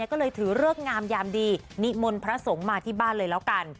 ก็เลยถือเลิกงามยามดีนิมนต์พระสงฆ์มาที่บ้านเลยแล้วกัน